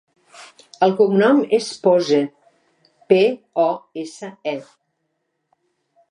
El cognom és Pose: pe, o, essa, e.